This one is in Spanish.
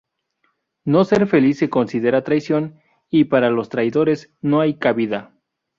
No ser feliz se considera traición, y para los traidores no hay cabida.